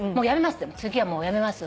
次はもうやめます。